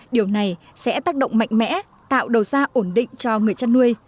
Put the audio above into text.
điều này sẽ tác động mạnh mẽ tạo đầu ra ổn định cho người chăn nuôi